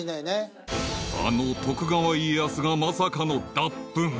［あの徳川家康がまさかの脱ぷん］